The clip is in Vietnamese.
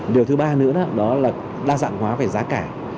điều thứ ba nữa đó là đa dạng hóa về giá cả